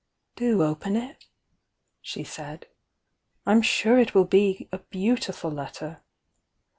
"Do open it!" she said. "I'm sure it will be a beautiful letter!